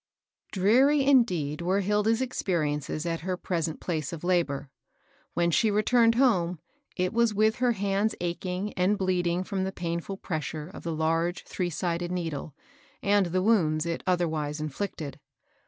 |REARY indeed were Hilda's expenences at her present place of labor. When she returned home, it was with her hands ach ing and bleeding from the painAil pressure of the large three sided needle, and the wounds it otherwise inflicted.